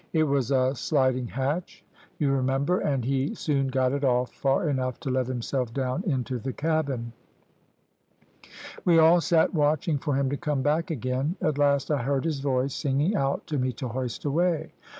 It was a sliding hatch, you remember, and he soon got it off far enough to let himself down into the cabin. We all sat watching for him to come back again. At last I heard his voice singing out to me to hoist away.